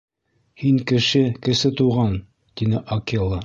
— Һин кеше, Кесе Туған, — тине Акела.